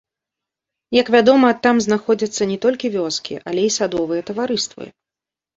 Як вядома, там знаходзяцца не толькі вёскі, але і садовыя таварыствы.